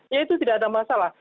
ya itu tidak ada masalah